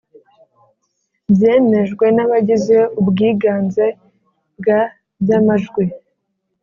Byemejwe n abagize ubwiganze bwa by amajwi